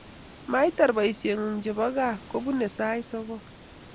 moiatar boisioniknyu chebo kaa kobunee sait sokol